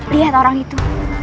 lihat orang itu